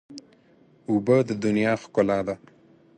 اوبه د دنیا ښکلا ده.